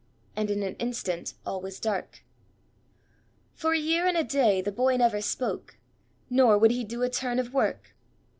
And in an instant all was dark. For a year and a day the boy never spoke, nor would he do a turn of work.